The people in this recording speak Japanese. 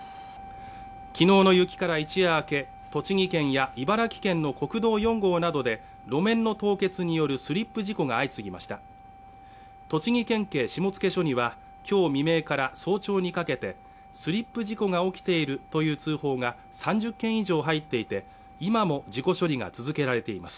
きのうの雪から一夜明け栃木県や茨城県の国道４号などで路面の凍結によるスリップ事故が相次ぎました栃木県警下野署にはきょう未明から早朝にかけてスリップ事故が起きているという通報が３０件以上入っていて今も事故処理が続けられています